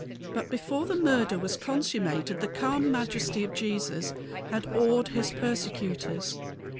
But before the murder was consummated the calm majesty of Jesus had awed his persecutors.